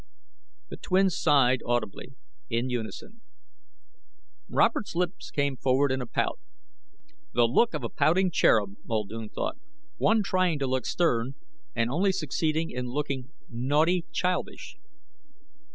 The twins sighed audibly, in unison. Robert's lips came forward in a pout. The look of a pouting cherub, Muldoon thought, one trying to look stern, and only succeeding in looking naughty childish.